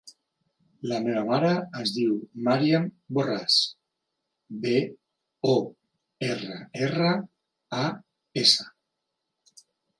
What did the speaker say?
La meva mare es diu Màriam Borras: be, o, erra, erra, a, essa.